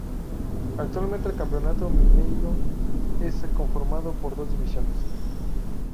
Actualmente el Campeonato Mineiro es conformado por dos divisiones.